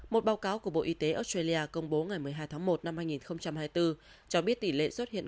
một báo cáo của bộ y tế australia công bố ngày một mươi hai tháng một năm hai nghìn hai mươi bốn cho biết tỷ lệ xuất hiện